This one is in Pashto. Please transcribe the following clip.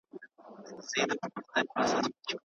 نن په هره پوله کي ښکاري دامونه وشیندل